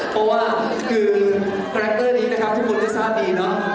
เพราะว่าคือคาแรคเตอร์นี้นะครับทุกคนได้ทราบดีเนาะ